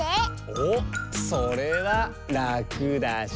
おっそれはラクだし。